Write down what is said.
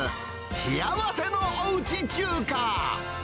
幸せのおうち中華。